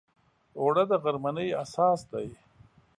اوړه د غرمنۍ اساس دی